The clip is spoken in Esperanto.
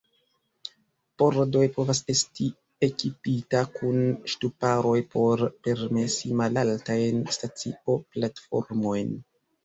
Pordoj povas esti ekipita kun ŝtuparoj por permesi malaltajn stacio-platformojn.